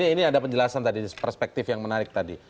ini ada penjelasan tadi perspektif yang menarik tadi